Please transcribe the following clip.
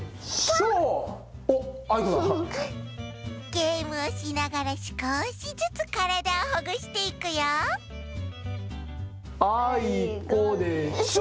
ゲームをしながらすこしずつからだをほぐしていくよあいこでしょ！